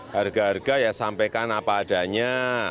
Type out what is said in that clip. harga harga ya sampaikan apa adanya